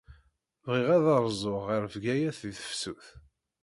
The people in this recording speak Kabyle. Bɣiɣ ad rzuɣ ɣer Bgayet di tefsut.